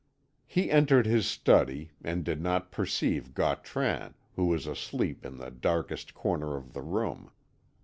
He entered his study, and did not perceive Gautran, who was asleep in the darkest corner of the room.